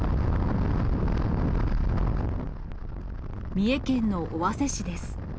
三重県の尾鷲市です。